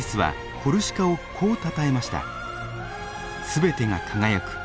「全てが輝く。